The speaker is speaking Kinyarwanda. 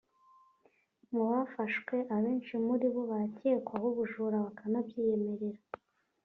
Mu bafashwe abenshi muri bo barakekwaho ubujura bakanabyiyemerera